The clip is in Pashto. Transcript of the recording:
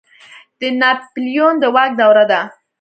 د ناپلیون د واک دوره ده.